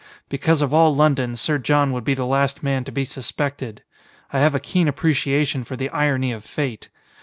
Because, of all London, Sir John would be the last man to be suspected. I have a keen appreciation for the irony of fate!